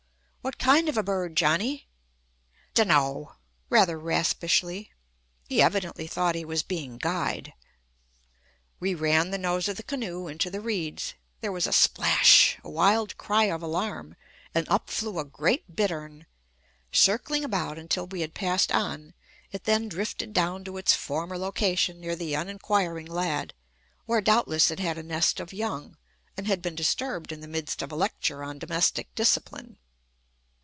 "What kind of a bird, Johnny?" "D'no!" rather raspishly. He evidently thought he was being guyed. We ran the nose of the canoe into the reeds. There was a splash, a wild cry of alarm, and up flew a great bittern. Circling about until we had passed on, it then drifted down to its former location near the uninquiring lad, where doubtless it had a nest of young, and had been disturbed in the midst of a lecture on domestic discipline.